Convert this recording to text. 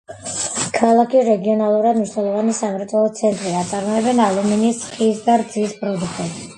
ქალაქი რეგიონალურად მნიშვნელოვანი სამრეწველო ცენტრია, აწარმოებენ ალუმინის, ხის და რძის პროდუქტებს.